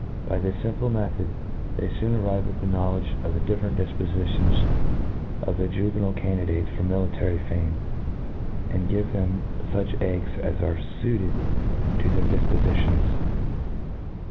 By this fimple method, they foon arrive at the knowledge of the diflperent difpofi tions of the juvenile candidates for military fame, and give them fuch eggs as are fuited^ to their difpofitions.